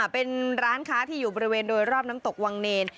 เป็นร้านค้าที่อยู่บริเวณโดยรอบน้ำตกวังเนร